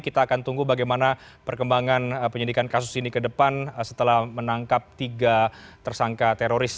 kita akan tunggu bagaimana perkembangan penyidikan kasus ini ke depan setelah menangkap tiga tersangka teroris